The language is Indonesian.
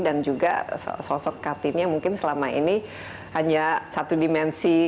dan juga sosok kartini yang mungkin selama ini hanya satu dimensi